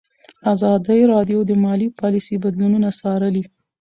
ازادي راډیو د مالي پالیسي بدلونونه څارلي.